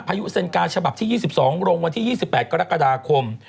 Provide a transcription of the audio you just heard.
พายุเซ็นกาฉบับที่๒๒ลงวันที่๒๘กรกฎาคม